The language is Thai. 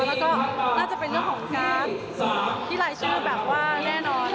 แล้วก็น่าจะเป็นเรื่องของการที่ลายชื่อแบบว่าแน่นอน